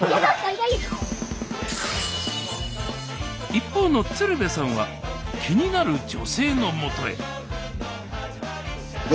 一方の鶴瓶さんは気になる女性のもとへえ？